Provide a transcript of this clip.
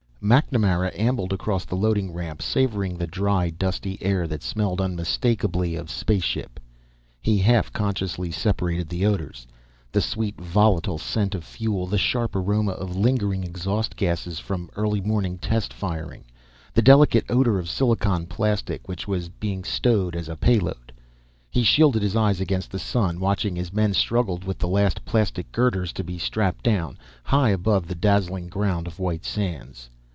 _ MacNamara ambled across the loading ramp, savoring the dry, dusty air that smelled unmistakable of spaceship. He half consciously separated the odors; the sweet, volatile scent of fuel, the sharp aroma of lingering exhaust gases from early morning test firing, the delicate odor of silicon plastic which was being stowed as payload. He shielded his eyes against the sun, watching as men struggled with the last plastic girders to be strapped down, high above the dazzling ground of White Sands.